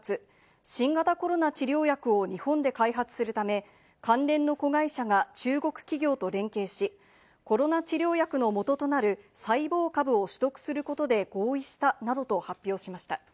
プロルート丸光はおととし８月、新型コロナ治療薬を日本で開発するため、関連の子会社が中国企業と連携し、コロナ治療薬のもととなる細胞株を取得することで合意したなどと発表しました。